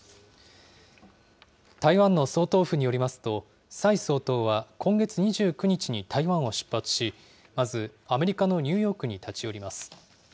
台湾の総統府によりますと、蔡総統は今月２９日に台湾を出発し、まず、アメリカのニューヨークに立ち寄ります。